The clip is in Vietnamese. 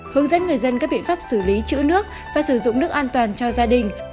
hướng dẫn người dân các biện pháp xử lý chữ nước và sử dụng nước an toàn cho gia đình